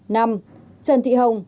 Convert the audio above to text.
năm trần thị hồng